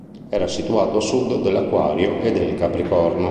Era situata a sud dell'Aquario e del Capricorno.